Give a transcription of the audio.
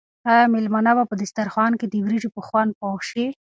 آیا مېلمانه به په دسترخوان کې د وریجو په خوند پوه شي؟